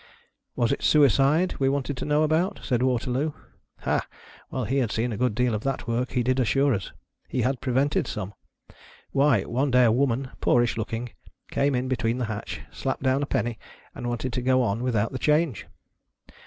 Was it suicide, we wanted to know about 1 said Waterloo. Ha ! Well, he had seen a good deal of that work, he did assure us. He iiad prevented some. Why, one day a woman, poorish looking, came in between the hatch, slapped down a penny, and wanted to go on without the change